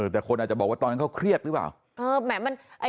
แต่คนอาจจะบอกว่าตอนนั้นเขาเครียดหรือเปล่า